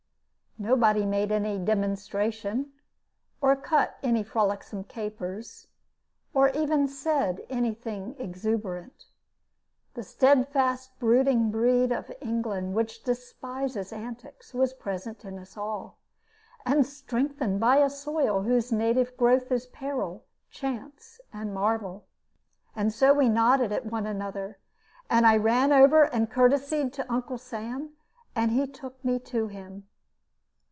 Nobody made any "demonstration," or cut any frolicsome capers, or even said any thing exuberant. The steadfast brooding breed of England, which despises antics, was present in us all, and strengthened by a soil whose native growth is peril, chance, and marvel. And so we nodded at one another, and I ran over and courtesied to Uncle Sam, and he took me to him.